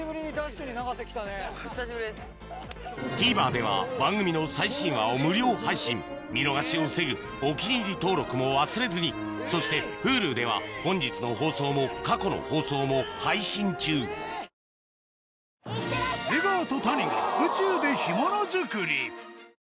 ＴＶｅｒでは番組の最新話を無料配信見逃しを防ぐ「お気に入り」登録も忘れずにそしてＨｕｌｕでは本日の放送も過去の放送も配信中あ！